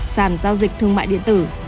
sản giao dịch thương mại điện tử